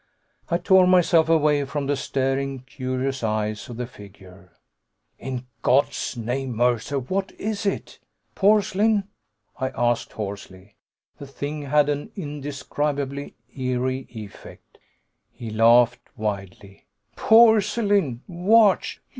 I tore myself away from the staring, curious eyes of the figure. "In God's name, Mercer, what is it? Porcelain?" I asked hoarsely. The thing had an indescribably eery effect. He laughed wildly. "Porcelain? Watch